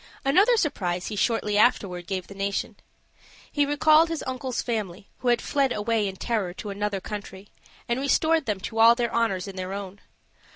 Another surprise he shortly afterward gave the nation. He recalled his uncle's family, who had fled away in terror to another country, and restored them to all their honors in their own.